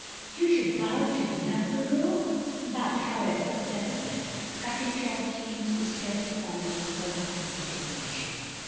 You should have bowed to me long ago. But, however, it doesn't matter —'' cutting short Jeanne's distressed apologies for her unwitting omission.